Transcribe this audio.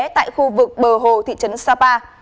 tại khu vực bờ hồ thị trấn sapa